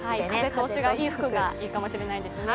風通しがいい服がいいかもしれないですね。